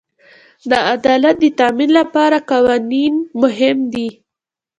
د عدالت د تامین لپاره قوانین مهم دي.